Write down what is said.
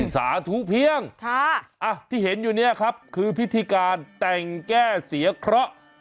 สาธุเพียงที่เห็นอยู่เนี่ยครับคือพิธีการแต่งแก้เสียเคราะห์